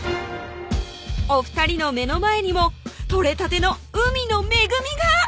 お２人の目の前にもとれたての海の恵みが！